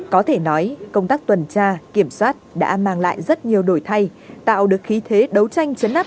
có thể nói công tác tuần tra kiểm soát đã mang lại rất nhiều đổi thay tạo được khí thế đấu tranh chấn áp